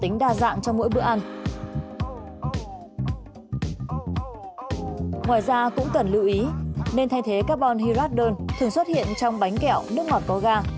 ngoài ra cũng cần lưu ý nên thay thế carbon hylatdern thường xuất hiện trong bánh kẹo nước ngọt có ga